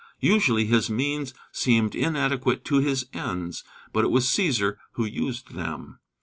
Usually his means seemed inadequate to his ends. But it was Cæsar who used them.